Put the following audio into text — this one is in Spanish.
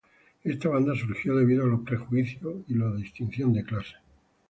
Esta banda surgió debido a los prejuicios y la distinción de clases.